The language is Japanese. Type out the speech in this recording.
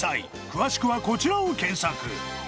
詳しくはこちらを検索